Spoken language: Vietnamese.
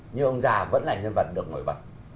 nhưng ông già vẫn là nhân vật được nổi bật